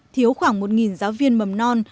thiếu khoảng một giáo viên mầm non